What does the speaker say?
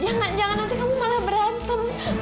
jangan jangan nanti kamu malah berantem